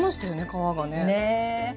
皮がね。